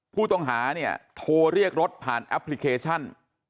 ผู้ต้องหาเนี่ยโทรเรียกรถผ่านแอปพลิเคชัน